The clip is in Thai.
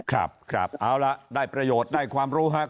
ครับครับเอาละได้ประโยชน์ได้ความรู้ครับ